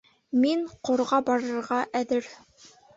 Мин Ҡорға барырға әҙер.